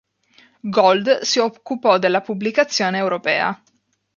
Gold si occupò della pubblicazione europea.